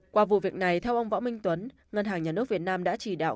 qua vụ việc này theo ông võ minh tuấn ngân hàng nhà nước việt nam đã chỉ đạo